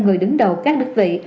người đứng đầu các đơn vị